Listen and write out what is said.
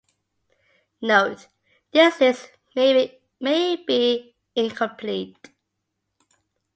Note: This list may be incomplete.